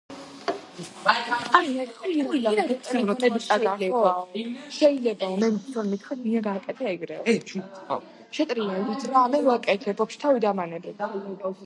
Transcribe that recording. მას მერე გაზეთებში ხშირად იბეჭდებოდა მისი ნაწარმოებები.